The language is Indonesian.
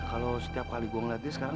kalau setiap kali gue ngeliat dia sekarang